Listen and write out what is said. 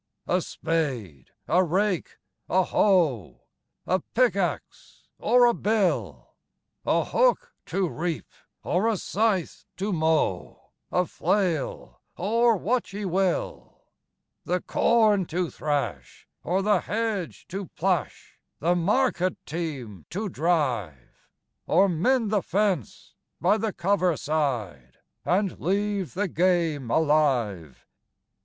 A spade! a rake! a hoe! A pickaxe, or a bill! A hook to reap, or a scythe to mow, A flail, or what ye will The corn to thrash, or the hedge to plash, The market team to drive, Or mend the fence by the cover side, And leave the game alive.